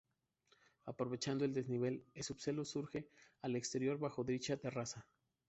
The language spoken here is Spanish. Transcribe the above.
Aprovechando el desnivel, el subsuelo surge al exterior bajo dicha terraza.